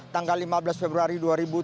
tanggal lima belas februari dua ribu tujuh belas